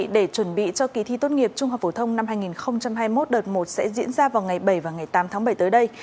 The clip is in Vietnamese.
để chuẩn bị cho kỳ thi tốt nghiệp trung học phổ thông năm hai nghìn hai mươi một đợt một sẽ diễn ra vào ngày bảy và ngày tám tháng bảy tới đây